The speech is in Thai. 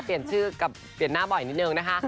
เปลี่ยนชื่อกับเปลี่ยนหน้าบ่อยนิดนึงนะคะ